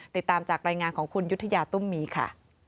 ติดตามจากรายงานของคุณยุธยาตุ้มมีค่ะ